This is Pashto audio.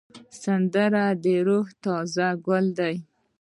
سندره روح ته تازه ګل دی